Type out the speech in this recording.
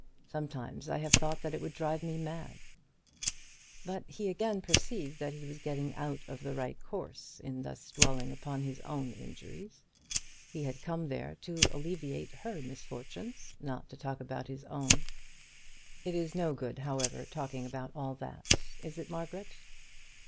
Sometimes I have thought that it would drive me mad!" But he again perceived that he was getting out of the right course in thus dwelling upon his own injuries. He had come there to alleviate her misfortunes, not to talk about his own. "It is no good, however, talking about all that; is it, Margaret?"